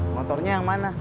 motornya yang mana